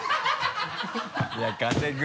いや加瀬君。